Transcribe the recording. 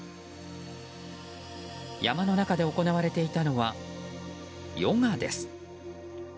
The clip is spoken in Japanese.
山の中で行われていたのはヨガです。